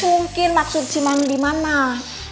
mungkin maksud si mandiman lah